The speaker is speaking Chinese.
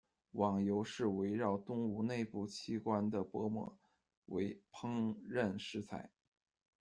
网油是围绕动物内部器官的薄膜，为烹饪食材。